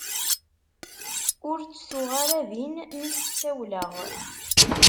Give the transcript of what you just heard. Ur tt-tuɣ ara din mi s-ssawleɣ.